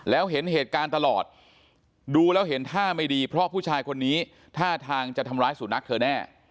แล้วเห็นเหตุการณ์ตลอดดูแล้วเห็นท่าไม่ดีเพราะผู้ชายคนนี้ท่าทางจะทำร้ายสุนัขเธอแน่